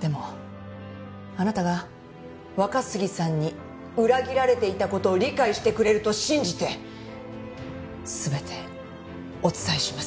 でもあなたが若杉さんに裏切られていた事を理解してくれると信じて全てお伝えします。